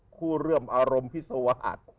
คู่ร่วมอารมณ์พิสวะ